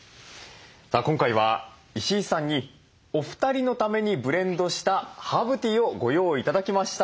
さあ今回は石井さんにお二人のためにブレンドしたハーブティーをご用意頂きました。